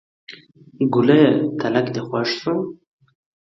ګوليه تلک دې خوښ شو.